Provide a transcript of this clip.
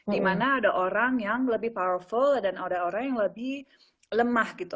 dimana ada orang yang lebih powerful dan ada orang yang lebih lemah gitu